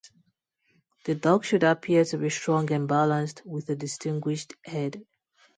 The dog should appear to be strong and balanced with a distinguished head.